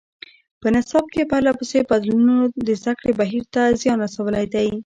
په نصاب کې پرله پسې بدلونونو د زده کړې بهیر ته زیان رسولی دی.